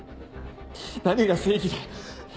何が正義だよ？